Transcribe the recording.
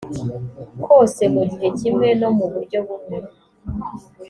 kose mu gihe kimwe no mu buryo bumwe